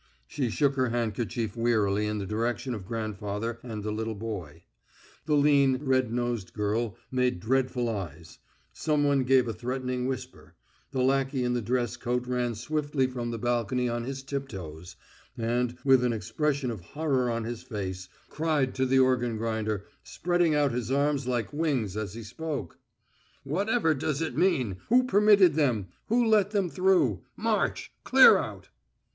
She shook her handkerchief wearily in the direction of grandfather and the little boy; the lean, red nosed girl made dreadful eyes; someone gave a threatening whisper; the lackey in the dress coat ran swiftly from the balcony on his tiptoes, and, with an expression of horror on his face, cried to the organ grinder, spreading out his arms like wings as he spoke: "Whatever does it mean who permitted them who let them through? March! Clear out!..."